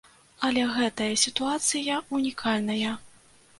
Але гэтая сітуацыя ўнікальная.